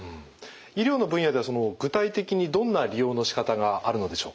医療の分野では具体的にどんな利用のしかたがあるのでしょうか？